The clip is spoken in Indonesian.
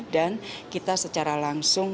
dan kita secara langsung